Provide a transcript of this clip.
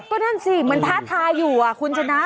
ก็นั่นสิเหมือนท้าทายอยู่คุณชนะ